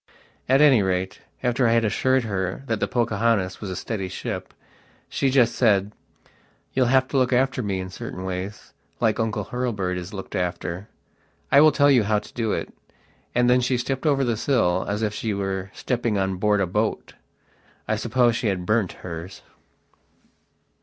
At any rate, after I had assured her that the "Pocahontas" was a steady ship, she just said: "You'll have to look after me in certain wayslike Uncle Hurlbird is looked after. I will tell you how to do it." And then she stepped over the sill, as if she were stepping on board a boat. I suppose she had burnt hers!